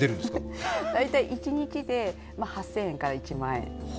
一日で８０００円から１万円。